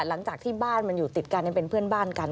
หลังจากที่บ้านมันอยู่ติดกันเป็นเพื่อนบ้านกัน